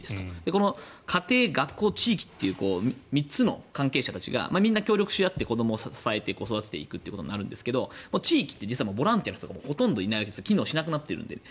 この家庭、学校、地域という３つの関係者がみんな協力し合って子どもを支えていこう育てていくということになるんですけど地域ってボランティアの人はいなくて機能しなくなっている。